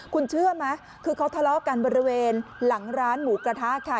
คุณเชื่อไหมคือเขาทะเลาะกันบริเวณหลังร้านหมูกระทะค่ะ